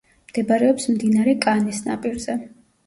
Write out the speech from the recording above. მდებარეობს მდინარე კანეს ნაპირზე.